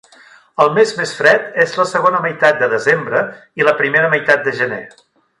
El mes més fred és la segona meitat de desembre i la primera meitat de gener.